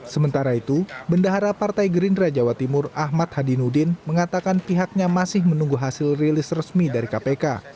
sementara itu bendahara partai gerindra jawa timur ahmad hadinudin mengatakan pihaknya masih menunggu hasil rilis resmi dari kpk